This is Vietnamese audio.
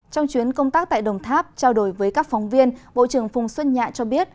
trong chuyến công tác tại đồng tháp trao đổi với các phóng viên bộ trưởng phùng xuân nhạ cho biết